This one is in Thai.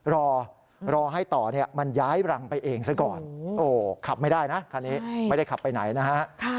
รอรอให้ต่อเนี่ยมันย้ายรังไปเองซะก่อนโอ้ขับไม่ได้นะคันนี้ไม่ได้ขับไปไหนนะฮะ